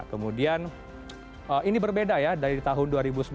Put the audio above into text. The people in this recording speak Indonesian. kemudian ini berbeda ya dari tahun dua ribu sembilan belas